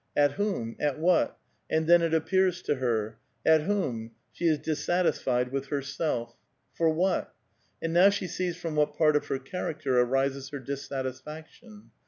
At whom? at what? and then it appears to her. At whom? She is dissatisfied with herself. For what? And now she sees from what part of her character arises her dissatisfaction.